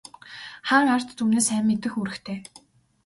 Хаан ард түмнээ сайн мэдэх үүрэгтэй.